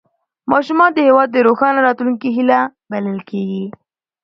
ماشومان د هېواد د روښانه راتلونکي هیله بلل کېږي